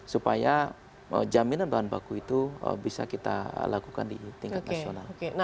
supaya jaminan bahan baku itu bisa kita lakukan di tingkat nasional